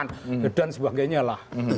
hancurkan dan sebagainya lah